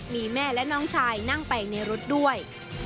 มีแม่และน้องชายนั่งไปในรถด้วย